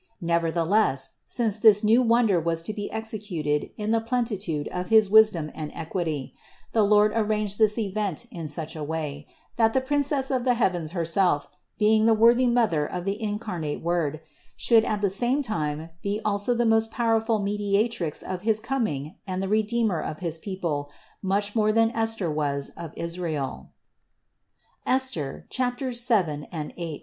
Nevertheless, since this new wonder was to be executed in the plenitude of his wisdom and equity, the Lord arranged this event in such a way, that the Princess of the heavens Herself, being the worthy Mother of the incarnate Word, should at the same time be also the most powerful Media trix of his coming and the Redeemer of his people much more than Esther was of Israel (Esther ch. 7 and 8).